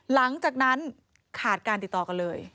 หลังจากนั้นขาดการติดต่อกันเลย